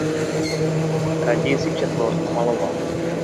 Raději si četl a maloval.